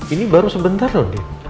ini baru sebentar lho dit